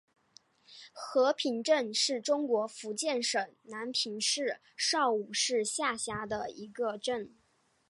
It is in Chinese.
和平镇是中国福建省南平市邵武市下辖的一个镇。